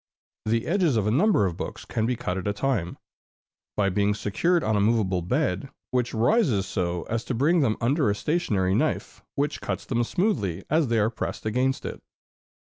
The edges of a number of books can be cut at a time, by being secured on a movable bed, which rises so as to bring them under a stationary knife, which cuts them smoothly as they are pressed against it.